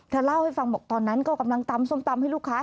เล่าให้ฟังบอกตอนนั้นก็กำลังตำส้มตำให้ลูกค้า